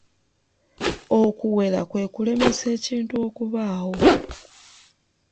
Okuwera kwe kulemesa ekintu okubaawo.